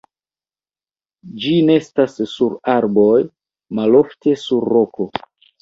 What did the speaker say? Ĝi nestas sur arboj, malofte sur roko.